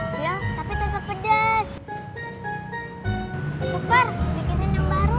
dan puncaannya satu